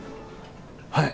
はい！